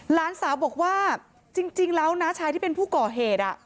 หลานสาวบอกว่าจริงแล้วน้าชายที่เป็นผู้ก่อเหตุ